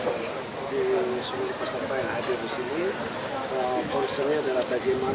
jadi seluruh pelayan tidak boleh lagi menangkap ikan dalam satu bulan itu